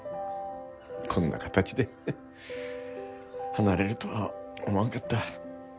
こんな形で離れるとは思わんかった。